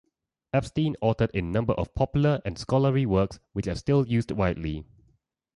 Epstein authored a number of popular and scholarly works which are still used widely.